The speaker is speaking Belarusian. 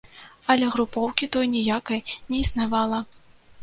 Але групоўкі той ніякай не існавала.